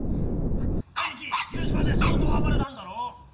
アニキ広島で相当暴れたんだろ？